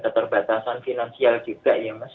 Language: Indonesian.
keterbatasan finansial juga ya mas